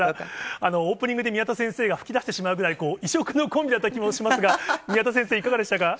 オープニングで宮田先生が噴き出してしまうくらい、異色のコンビだった気もしますが、宮田先生、いかがでしたか。